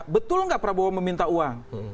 betul nggak prabowo meminta uang